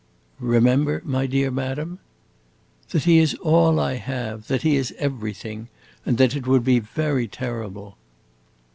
"Remember, my dear madam?" "That he is all I have that he is everything and that it would be very terrible."